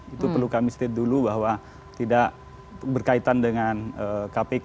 itu perlu kami state dulu bahwa tidak berkaitan dengan kpk